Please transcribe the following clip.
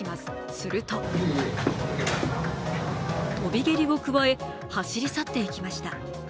すると跳び蹴りを加え、走り去っていきました。